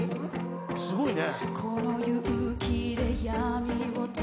「すごいね！」